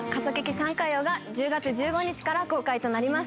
サンカヨウが１０月１５日から公開となります。